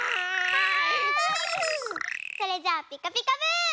はいそれじゃあピカピカブ！